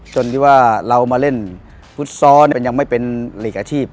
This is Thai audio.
จนที่ว่าเรามาเล่นฟุตซอลมันยังไม่เป็นหลีกอาชีพ